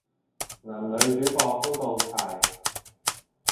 男女主角都到齊